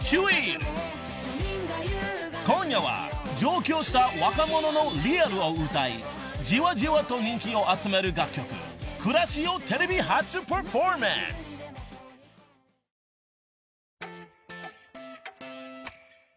［今夜は上京した若者のリアルを歌いじわじわと人気を集める楽曲『暮らし』をテレビ初パフォーマンス］えっ！！